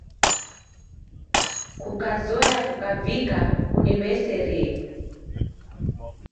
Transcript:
Kukazoya kukavika kuniw'eserie.